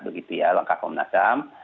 begitu ya langkah kompolnasam